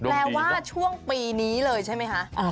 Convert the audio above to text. แปลว่าช่วงปีนี้เลยใช่ไหมคะ